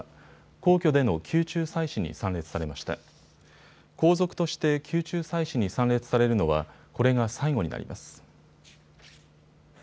皇族として宮中祭祀に参列されるのは、これが最後になります。